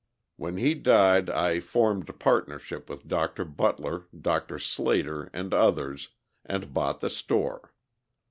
When he died I formed a partnership with Dr. Butler, Dr. Slater, and others, and bought the store.